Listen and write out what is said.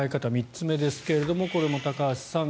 ３つめですがこれも高橋さん